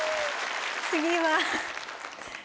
次は。